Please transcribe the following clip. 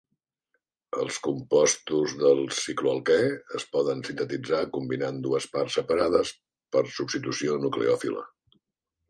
Els compostos del cicloalquè es poden sintetitzar combinant dues parts separades per substitució nucleòfila.